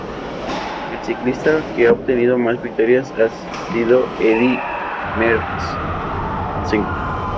El ciclista que ha obtenido más victorias ha sido Eddy Merckx con cinco.